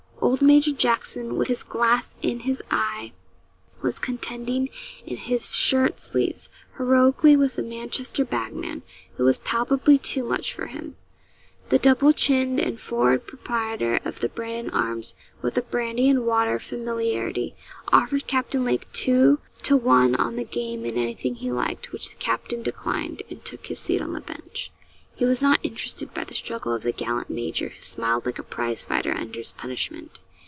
Old Major Jackson, with his glass in his eye, was contending in his shirt sleeves heroically with a Manchester bag man, who was palpably too much for him. The double chinned and florid proprietor of the 'Brandon Arms,' with a brandy and water familiarity, offered Captain Lake two to one on the game in anything he liked, which the captain declined, and took his seat on the bench. He was not interested by the struggle of the gallant major, who smiled like a prize fighter under his punishment.